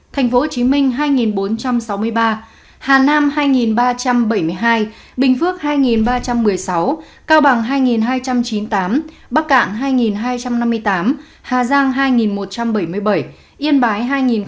tp hcm hai bốn trăm sáu mươi ba hà nam hai ba trăm bảy mươi hai bình phước hai ba trăm một mươi sáu cao bằng hai hai trăm chín mươi tám bắc cạn hai hai trăm năm mươi tám hà giang hai một trăm bảy mươi bảy yên bái hai nghìn một mươi chín